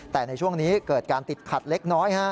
แต่ในช่วงนี้เกิดการติดขัดเล็กน้อยฮะ